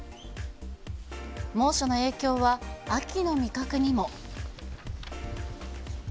猛暑の影響は、秋の味覚にも。